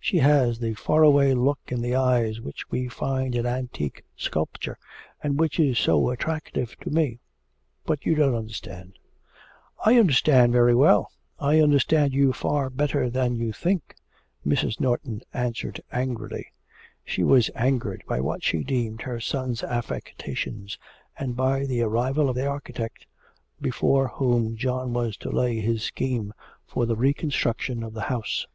She has the far away look in the eyes which we find in antique sculpture, and which is so attractive to me. But you don't understand.' 'I understand very well. I understand you far better than you think,' Mrs. Norton answered angrily. She was angered by what she deemed her son's affectations, and by the arrival of the architect before whom John was to lay his scheme for the reconstruction of the house.